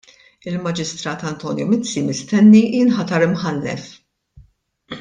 Il-Maġistrat Antonio Mizzi mistenni jinħatar Imħallef.